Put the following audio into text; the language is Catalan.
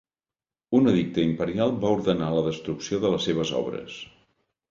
Un edicte imperial va ordenar la destrucció de les seves obres.